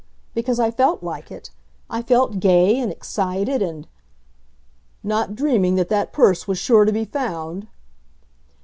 Because I felt like it. I felt gay and excited and " "Not dreaming that that purse was sure to be found?"